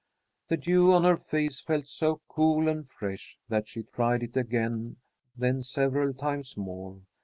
The dew on her face felt so cool and fresh that she tried it again, then several times more.